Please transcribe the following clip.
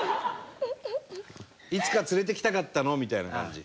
「いつか連れてきたかったの」みたいな感じ。